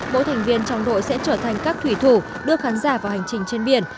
mỗi thành viên trong đội sẽ trở thành các thủy thủ đưa khán giả vào hành trình trên biển